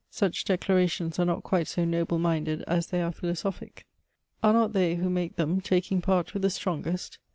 Such declarations are not quite so noble minded as they are philo sophic. Are not they who make them taking part with the strongest?